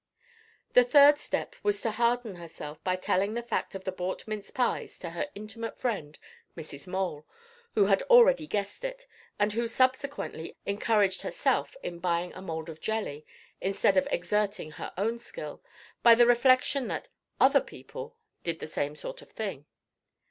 The third step was to harden herself by telling the fact of the bought mince pies to her intimate friend Mrs. Mole, who had already guessed it, and who subsequently encouraged herself in buying a mould of jelly, instead of exerting her own skill, by the reflection that "other people" did the same sort of thing.